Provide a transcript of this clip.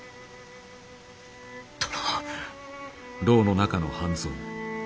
殿。